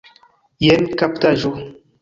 jen kaptaĵo!